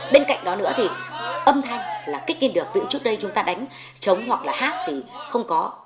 bên cạnh đó nữa thì âm thanh là kích nghiên được vì trước đây chúng ta đánh trống hoặc là hát thì không có